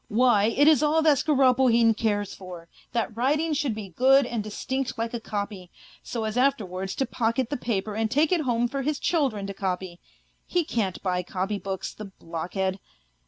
Why, it is all that Skoroplehin cares for, that writing should bo good and distinct like a copy, so as after wards to pocket the paper and take it home for his children to copy ; he can't buy copybooks, the blockhead